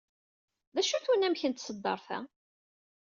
D acu-t unamek n tṣeddart-a?